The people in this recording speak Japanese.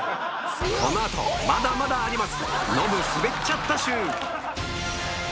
この後まだまだあります